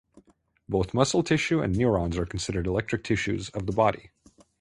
Both muscle tissue and neurons are considered electric tissues of the body.